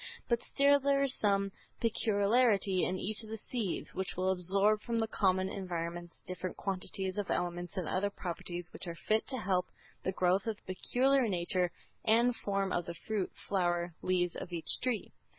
But still there is some peculiarity in each of the seeds, which will absorb from the common environments different quantities of elements and other properties which are fit to help the growth of the peculiar nature and form of the fruit, flower, leaves of each tree.